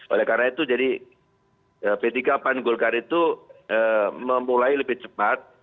oleh karena itu jadi p tiga pan golkar itu memulai lebih cepat